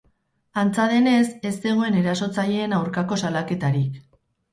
Antza denez, ez zegoen erasotzaileen aurkako salaketarik.